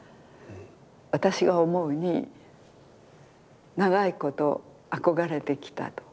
私が思うに長いこと憧れてきたと。